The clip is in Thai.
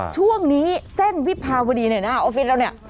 ช่วงนี้เส้นวิภาวดีในหน้าออฟฟิศเราเนี่ย